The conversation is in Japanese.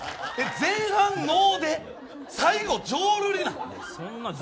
前半能で最後、浄瑠璃なん？